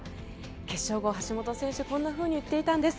決勝後、橋本選手こんなふうに言っていたんです。